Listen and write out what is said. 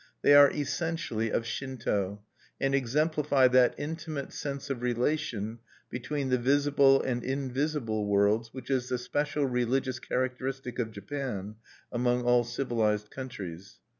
They are essentially of Shinto, and exemplify that intimate sense of relation between the visible and invisible worlds which is the special religious characteristic of Japan among all civilized countries.